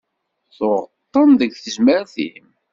Tuɣeḍ-tent deg tezmert-im.